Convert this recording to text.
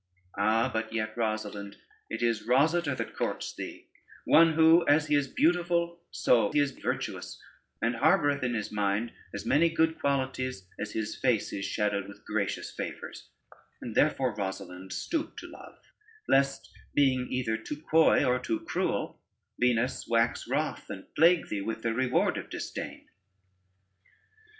Ah, but yet, Rosalynde, it is Rosader that courts thee; one who as he is beautiful, so he is virtuous, and harboreth in his mind as many good qualities as his face is shadowed with gracious favors; and therefore, Rosalynde, stoop to love, lest, being either too coy or too cruel, Venus wax wroth, and plague thee with the reward of disdain."